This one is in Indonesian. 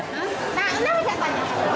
nah enak aja panen